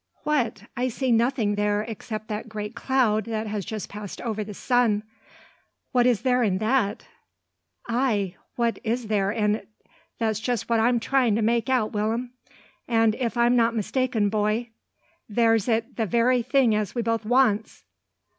"What? I see nothing there except that great cloud that has just passed over the sun. What is there in that?" "Ay, what is there in't? That's just what I'm tryin' to make out, Will'm; an' if I'm not mistaken, boy, there's it 't the very thing as we both wants."